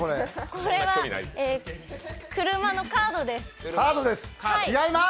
これは車のカードです。